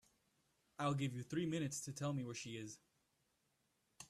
I'll give you three minutes to tell me where she is.